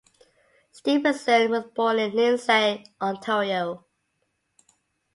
Stevenson was born in Lindsay, Ontario.